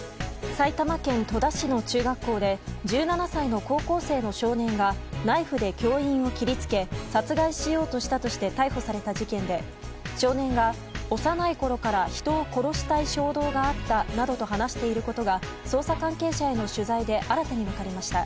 埼玉県戸田市の中学校で１７歳の高校生の少年がナイフで教員を切りつけ殺害しようとしたとして逮捕された事件で、少年が幼いころから人を殺したい衝動があったなどと話していることが捜査関係者への取材で新たに分かりました。